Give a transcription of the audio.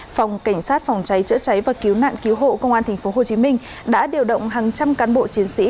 phòng cảnh sát phòng cháy chữa cháy và cứu nạn cứu hộ công an tp hcm đã điều động hàng trăm cán bộ chiến sĩ